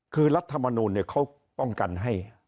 คือรัฐมนูลเขาป้องกันให้